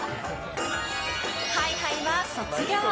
ハイハイは卒業。